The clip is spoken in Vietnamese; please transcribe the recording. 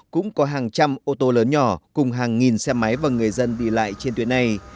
cũng có hàng trăm ô tô lớn nhỏ cùng hàng nghìn xe máy và người dân đi lại trên tuyến này